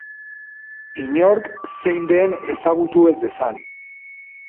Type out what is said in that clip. Inork zein den ezagutu ez dezan.